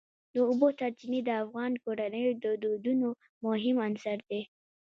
د اوبو سرچینې د افغان کورنیو د دودونو مهم عنصر دی.